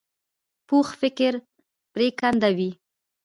پوخ فکر پرېکنده وي